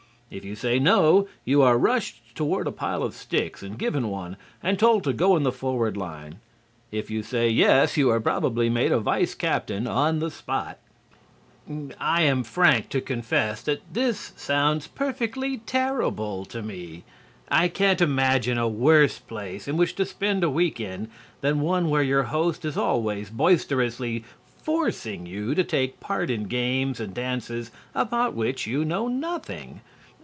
If you say No you are rushed toward a pile of sticks and given one and told to go in the forward line; if you say Yes you are probably made a vice captain on the spot." I am frank to confess that this sounds perfectly terrible to me. I can't imagine a worse place in which to spend a week end than one where your host is always boisterously forcing you to take part in games and dances about which you know nothing.